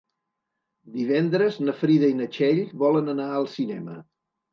Divendres na Frida i na Txell volen anar al cinema.